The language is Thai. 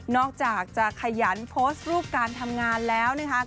อกจากจะขยันโพสต์รูปการทำงานแล้วนะคะ